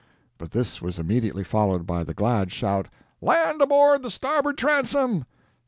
But this was immediately followed by the glad shout: "Land aboard the starboard transom!"